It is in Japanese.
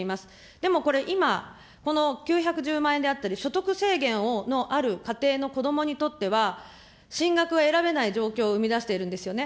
でもこれ、今、９１０万円であったり、所得制限のある家庭の子どもにとっては、進学を選べない状況を生み出しているんですよね。